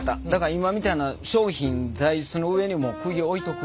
今みたいな商品座イスの上にもうくぎを置いとく。